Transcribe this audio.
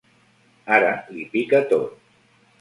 Ara li pica tot.